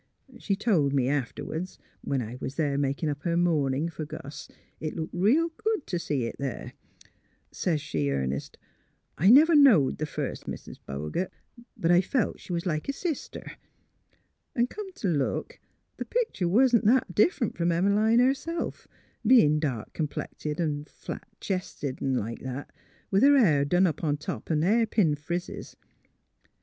She told me afterwards — when I was there makin' up her mournin' for Gus, it looked real good t' see it there. Sez she, earnest, ' I never knowed th' first MALVINA POINTS A MORAL 185 Mis' Bogert; but I felt like she was a sister.' 'N' come t' look, the pictur' wa'n't s' differ 'nt f'om Em 'line herself, bein' dark complected an' flat chested, 'n' like that, with her hair done up on top an' hairpin frizzes.